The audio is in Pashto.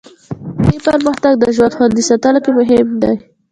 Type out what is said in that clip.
روغتیایي پرمختګ د ژوند خوندي ساتلو کې مهم دی.